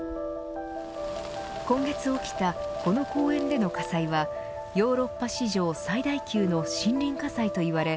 今月起きたこの公園での火災はヨーロッパ史上最大級の森林火災といわれ